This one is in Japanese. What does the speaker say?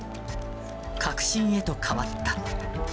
確信へと変わった。